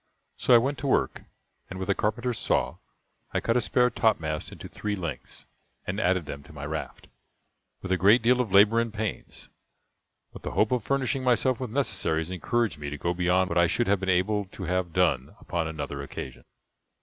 So I went to work, and with a carpenter's saw I cut a spare topmast into three lengths, and added them to my raft, with a great deal of labor and pains. But the hope of furnishing myself with necessaries encouraged me to go beyond what I should have been able to have done upon another occasion.